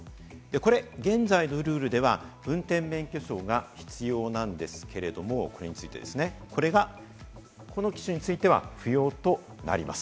これは現在のルールでは運転免許証が必要なんですけれども、これがこの機種については不要となります。